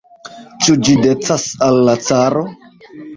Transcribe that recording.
Ĉu ĝi decas al la caro?